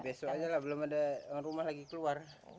besok aja lah belum ada rumah lagi keluar